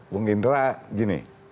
bung indra gini